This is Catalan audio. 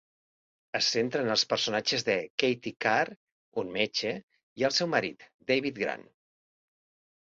Es centra en els personatges de Katie Carr, un metge, i el seu marit, David Grant.